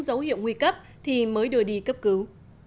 dấu hiệu nguy cấp thì mới đưa đi cấp cứu